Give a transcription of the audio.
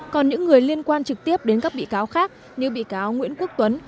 còn những người liên quan trực tiếp đến các bị cáo khác như bị cáo nguyễn quốc tuấn